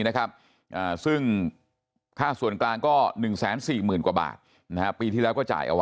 นะครับซึ่งค่าส่วนกลางก็๑๔๐๐๐๐กว่าบาทปีที่แล้วก็จ่าย